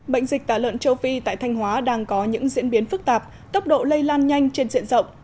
bệnh dịch tả lợn châu phi tại thanh hóa đang có những diễn biến phức tạp tốc độ lây lan nhanh trên diện rộng